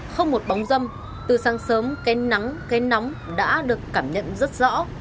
không một bóng dâm từ sáng sớm cây nắng cây nóng đã được cảm nhận rất rõ